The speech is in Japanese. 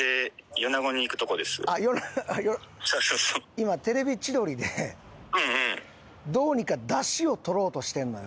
今『テレビ千鳥』でどうにか出汁を取ろうとしてるのよ。